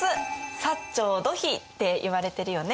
薩長土肥っていわれてるよね。